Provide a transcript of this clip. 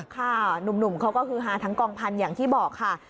ค่ะหนุ่มเขาก็คือฮาทั้งกองพันธุ์อย่างที่บอกค่ะ